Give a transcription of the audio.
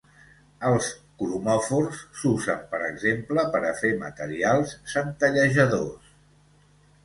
Els cromòfors s'usen per exemple per a fer materials centellejadors.